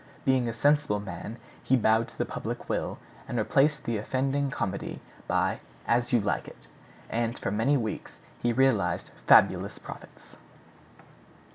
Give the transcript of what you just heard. Being a sensible man, he bowed to the public will and replaced the offending comedy by "As you like it"; and for many weeks he realized fabulous profits.